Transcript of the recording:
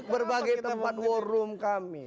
berbagai tempat war room kami